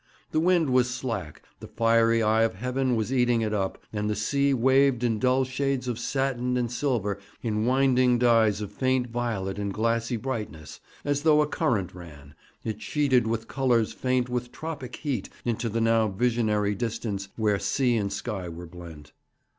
The wind was slack, the fiery eye of heaven was eating it up, and the sea waved in dull shades of satin and silver in winding dyes of faint violet and glassy brightness, as though a current ran; it sheeted with colours faint with tropic heat into the now visionary distance where sea and sky were blent.